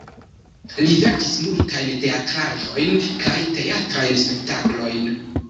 Li verkis multajn teatraĵojn kaj teatrajn spektaklojn.